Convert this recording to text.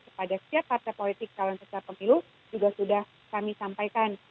kepada setiap partai politik calon peserta pemilu juga sudah kami sampaikan